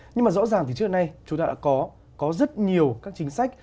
nhưng mà rõ ràng thì trước nay chúng ta đã có rất nhiều các chính sách